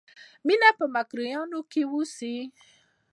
مینه په مکروریانو کې اوسېده